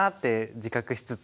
自覚しつつ。